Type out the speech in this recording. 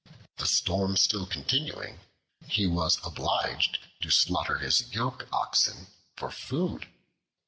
The storm still continuing, he was obliged to slaughter his yoke oxen for food.